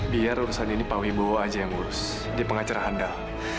biar urusan ini pak wibowo aja yang ngurus di pengacara handal